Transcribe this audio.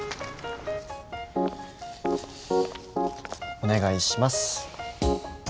お願いします。